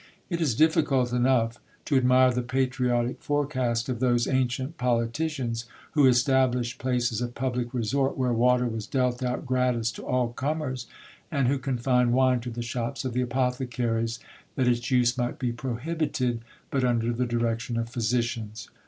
It is difficult enough to admire the patriotic forecast of those ardent politicians, who established places of public resort, where water was dealt out gratis to all comers, and who confined wine to the shops of the apothecaries, that its use might be prohibited but under the direction of phy sic ians.